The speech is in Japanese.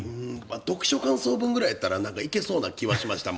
読書感想文ぐらいだったら行けそうな感じがしました。